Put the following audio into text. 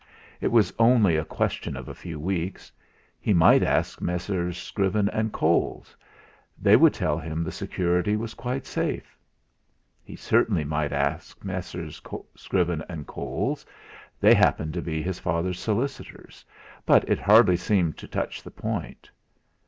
It was only a question of a few weeks; he might ask Messrs. Scriven and Coles; they would tell him the security was quite safe. He certainly might ask Messrs. Scriven and Coles they happened to be his father's solicitors; but it hardly seemed to touch the point.